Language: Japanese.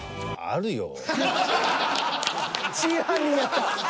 あるよ。